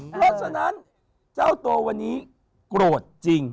เพราะฉะนั้นเจ้าตัววันนี้โกรธจริง